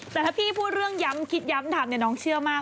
แต่ถ้าพี่พูดเรื่องย้ำคิดย้ำทำน้องเชื่อมาก